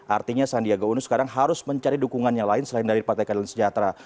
artinya sandiaga uno sekarang harus mencari dukungan yang lain selain dari partai keadilan sejahtera